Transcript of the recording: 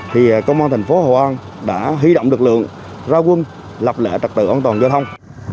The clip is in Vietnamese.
thì công an thành phố hội an đã huy động lực lượng ra quân lập lệ trật tự an toàn giao thông